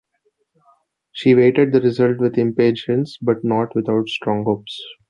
She waited the result with impatience, but not without strong hopes.